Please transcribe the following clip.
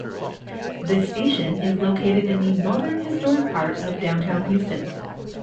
This station is located in the Northern, Historic part of Downtown Houston.